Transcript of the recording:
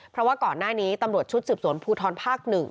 เพราะว่าก่อนหน้านี้ตำรวจชุดสืบสวนภูทรภาค๑